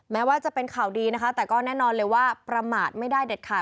แม้ว่าจะเป็นข่าวดีนะคะแต่ก็แน่นอนเลยว่าประมาทไม่ได้เด็ดขาด